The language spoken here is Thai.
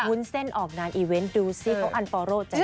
วุ้นเซนออกนานอีเวนต์ดูซิเพราะอันพอโร่จะรู้สึกยังไง